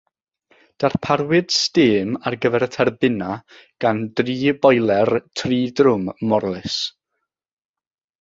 Darparwyd stêm ar gyfer y tyrbinau gan dri boeler tri-drwm Morlys.